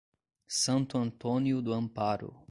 Santo Antônio do Amparo